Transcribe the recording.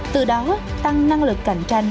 từ đó tăng năng lực cạnh tranh